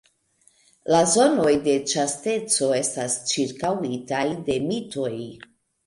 La zonoj de ĉasteco estas ĉirkaŭitaj de mitoj.